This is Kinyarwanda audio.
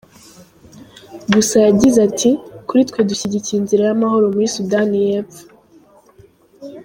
Gusa yagize ati: “Kuri twe dushyigikiye inzira y’amahoro muri Sudani y’Epfo.”